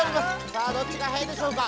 さあどっちがはやいでしょうか？